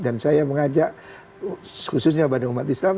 dan saya mengajak khususnya pada umat islam